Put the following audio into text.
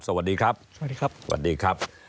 สวัสดีครับ